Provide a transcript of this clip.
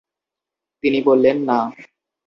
তিনি বললেন, "না!"